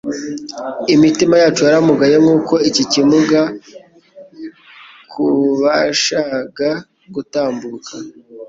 Imitima yacu yaramugaye. Nk'uko iki kimuga kuabashaga gutambuka,